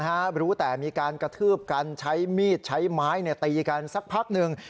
รู้แต่มีการกระทืบกันใช้มีดใช้ไม้เนี่ยตีกันสักพักหนึ่ง